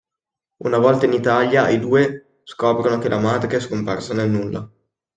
Una volta in Italia, i due scoprono che la madre è scomparsa nel nulla.